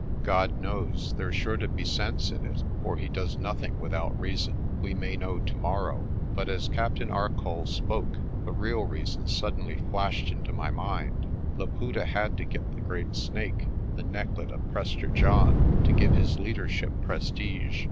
"God knows! There's sure to be sense in it, for he does nothing without reason. We may know tomorrow." But as Captain Arcoll spoke, the real reason suddenly flashed into my mind: Laputa had to get the Great Snake, the necklet of Prester John, to give his leadership prestige.